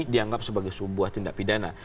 dianggap sebagai sebuah tindak pidana